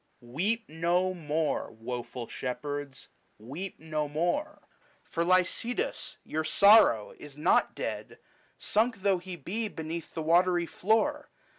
Weep no more, woful shepherds, weep no more, For Lycidas, your sorrow, is not dead, , Sunk though he be beneath the watery floor.